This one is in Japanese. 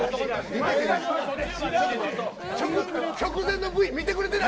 直前のＶ見てくれてな